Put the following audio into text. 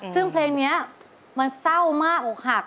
ซึ่งเพลงนี้มันเศร้ามากอกหัก